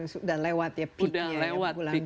sudah lewat ya peaknya